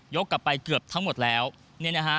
กลับไปเกือบทั้งหมดแล้วเนี่ยนะฮะ